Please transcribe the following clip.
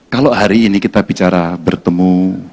kalau hari ini kita bicara bertemu